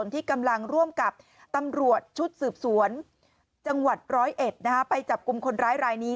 ที่กำลังร่วมกับตำรวจชุดสืบสวนจังหวัด๑๐๑ไปจับกลุ่มคนร้ายรายนี้